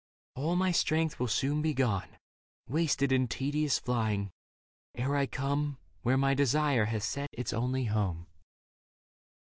All my strength will soon be gone. Wasted in tedious flying, ere I come Where my desire hath set its only home."